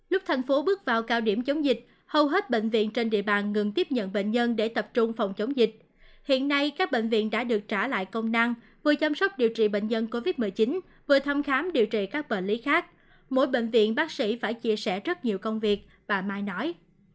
lúc thành phố bước vào cao điểm chống dịch hầu hết bệnh viện trên địa bàn ngừng tiếp nhận bệnh nhân để tập trung phòng chống dịch hiện nay các bệnh viện đã được trả lại công năng vừa chăm sóc điều trị bệnh nhân covid một mươi chín vừa thăm khám điều trị các bệnh lý khác mỗi bệnh viện bác sĩ phải chia sẻ rất nhiều công việc và mai nói